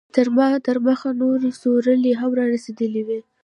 تر ما دمخه نورې سورلۍ هم رارسېدلې وې.